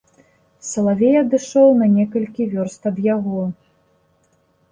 Салавей адышоў на некалькі вёрст ад яго.